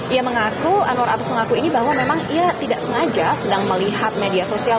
ia mengaku anwar abs mengaku ini bahwa memang ia tidak sengaja sedang melihat media sosial